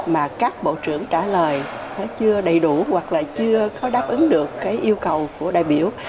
mà các bộ trưởng trả lời chưa đầy đủ hoặc là chưa có đáp ứng được cái yêu cầu của đại biểu